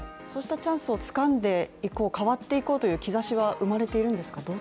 そうしたチャンスを掴んでいこう変わっていこうという兆しは生まれているんですか